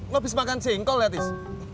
lo habis makan jengkol lihat is